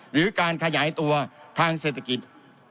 หรือการขยายตัวทางเศรษฐกิจ